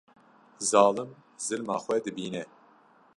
Zalim zilma xwe dibîne